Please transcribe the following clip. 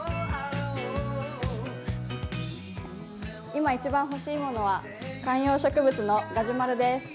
今一番欲しいものは観葉植物のガジュマルです。